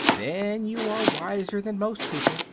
Then you are wiser that most people.